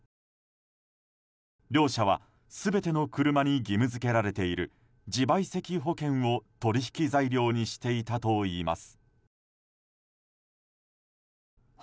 両者は全ての車に義務付けられている自賠責保険を取引材料にしていたといいます。